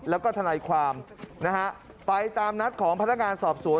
แล้วก็ทนายความนะฮะไปตามนัดของพนักงานสอบสวน